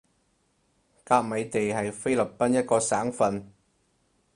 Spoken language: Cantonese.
甲米地係菲律賓一個省份